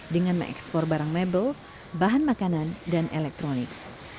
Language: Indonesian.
dengan mengekspor barang mebel bahan makanan dan elektronik